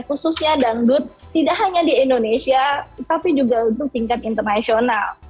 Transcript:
khususnya dangdut tidak hanya di indonesia tapi juga untuk tingkat internasional